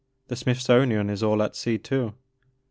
The Smithsonian is all at sea too.